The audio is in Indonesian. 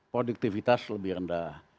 produktivitas lebih rendah